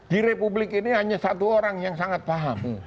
di republik ini hanya satu orang yang sangat paham